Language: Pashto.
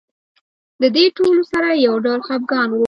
د دې ټولو سره یو ډول خپګان و.